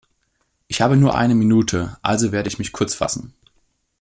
Ich habe nur eine Minute, also werde ich mich kurz fassen.